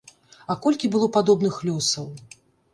А колькі было падобных лёсаў?